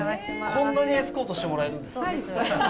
こんなにエスコートしてもらえる？